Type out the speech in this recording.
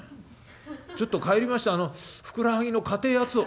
ちょっと帰りましてふくらはぎの硬えやつを」。